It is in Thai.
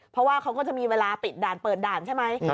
เพราะว่าเขาก็จะมีเวลาปิดด่านเปิดด่านใช่ไหม